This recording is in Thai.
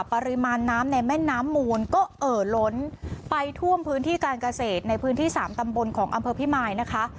ปริมาณน้ำในแม่น้ำมูลก็เอ่อล้นไปท่วมพื้นที่การเกษตรในพื้นที่สามตำบลของอำเภอพิมายนะคะ